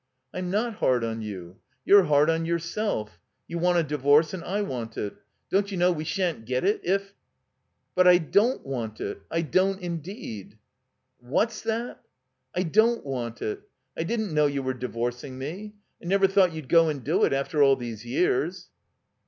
"I'm not hard on you. You're hard on yourself. You want a divorce and I want it. Don't you know we sha'n't get it — if —" "But I don't want it— I don't indeed." "What's that?" "I don't want it. I didn't know you were divorc ing me. I never thought you'd go and do it after all thedfe years."